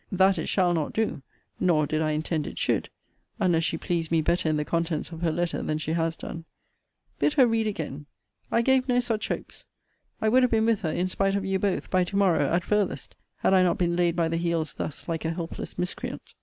That it shall not do, nor did I intend it should, unless she pleased me better in the contents of her letter than she has done. Bid her read again. I gave no such hopes. I would have been with her in spite of you both, by to morrow, at farthest, had I not been laid by the heels thus, like a helpless miscreant.